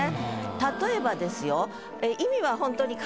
例えばですよ。